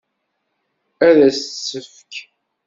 Ad s-tt-tefk?